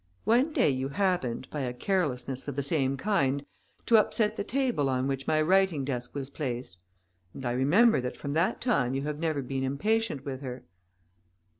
One day you happened, by a carelessness of the same kind, to upset the table on which my writing desk was placed; and I remember that from that time you have never been impatient with her."